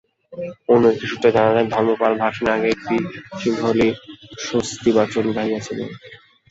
অন্য এক সূত্রে জানা যায়, ধর্মপাল ভাষণের আগে একটি সিংহলী স্বস্তিবাচন গাহিয়াছিলেন।